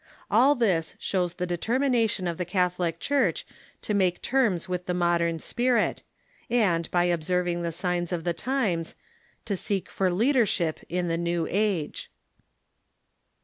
All this shows the determination of the Catholic Church to make terms with the modern spirit, and, b}^ observing the signs of the times, to seek for leadership in the New Age.